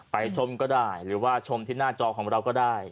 ชมก็ได้หรือว่าชมที่หน้าจอของเราก็ได้